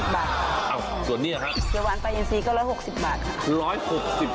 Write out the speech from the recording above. แต่หวานปลาอินทรีย์ก็๑๖๐บาท